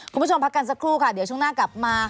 พักกันสักครู่ค่ะเดี๋ยวช่วงหน้ากลับมา